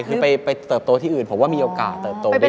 คือไปเติบโตที่อื่นผมว่ามีโอกาสเติบโตได้